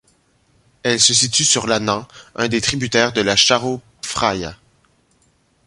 Elle se situe sur la Nan, un des tributaires de la Chao Phraya.